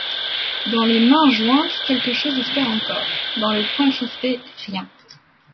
Dans les mains jointes quelque chose espère encore ; dans le poing crispé, rien.